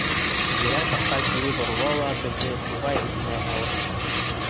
Ерәнҡашҡа кире борола ла беҙҙе туғай эсенә алып инә.